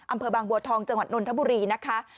อำเภอบางบัวทองจังหวัดนนทบุรีนะคะ